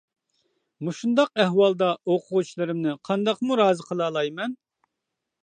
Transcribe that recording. مۇشۇنداق ئەھۋالدا ئوقۇغۇچىلىرىمنى قانداقمۇ رازى قىلالايمەن.